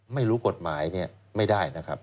ไม่รู้กฎหมายเนี่ยไม่ได้นะครับ